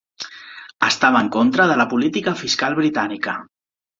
Estava en contra de la política fiscal britànica.